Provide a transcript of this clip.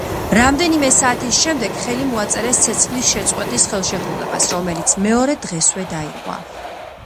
რამდენიმე საათის შემდეგ ხელი მოაწერეს ცეცხლის შეწყვეტის ხელშეკრულებას, რომელიც მეორე დღესვე დაირღვა.